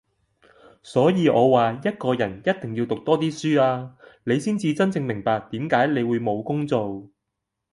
所以我話一個人一定要讀多啲書啊，你先至真正明白點解你會冇工做!